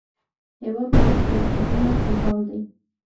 هیواد مې د کتابونو الهام دی